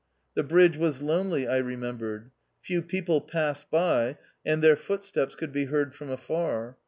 The bridge was lonely I remembered. Few people passed by, and their footsteps could be heard from afar.